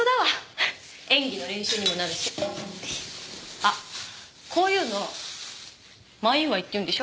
あっこういうの前祝いっていうんでしょ？